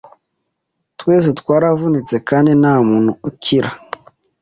Twese twaravunitse kandi ntamuntu ukira